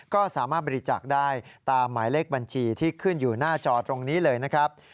ก็สามารถบริจาคได้ตามหมายเลขบัญชีที่ขึ้นอยู่หน้าจอตรงนี้เลยนะครับ